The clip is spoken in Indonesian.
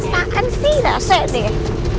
takkan sih nasek deh